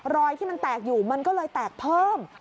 รอยที่มันแตกอยู่มันก็เลยแตกเพิ่ม